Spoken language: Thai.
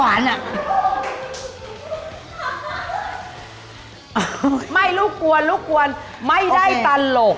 ไม่ไลฟ์ตัวรุ้นไม่ได้ตารก